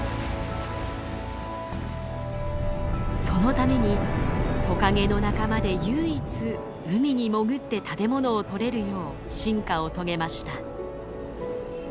そのためにトカゲの仲間で唯一海に潜って食べ物をとれるよう進化を遂げました。